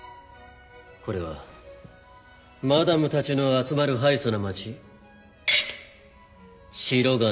これはマダムたちの集まるハイソな街白金。